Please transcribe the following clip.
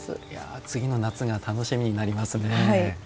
次の夏が楽しみになりますね。